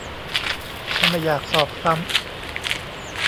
ถ้าไม่อยากสอบซ้ำ